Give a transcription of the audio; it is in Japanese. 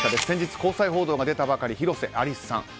先日交際報道が出たばかりの広瀬アリスさん。